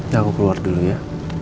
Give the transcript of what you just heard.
ya aku keluar dulu ya